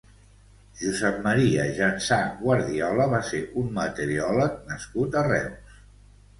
Josep Maria Jansà Guardiola va ser un meteoròleg nascut a Reus.